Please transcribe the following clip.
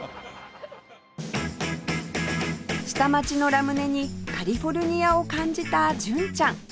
下町のラムネにカリフォルニアを感じた純ちゃん